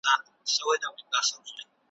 ته وا خوشي په لمنو کي د غرو سوه `